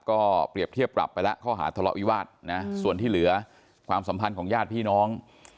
ก็เปรียบเทียบปรับไปแล้วข้อหาทะเลาะวิวาสนะส่วนที่เหลือความสัมพันธ์ของญาติพี่น้อง